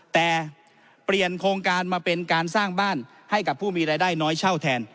แต่เปลี่ยนโครงการมาเป็นการสร้างบ้านให้กับผู้มีรายได้น้อยเช่าแทน